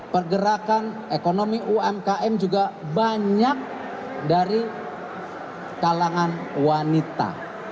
pergerakan ekonomi umkm juga banyak dari kalangan wanita